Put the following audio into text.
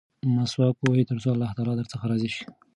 مسواک ووهئ ترڅو الله تعالی درڅخه راضي شي.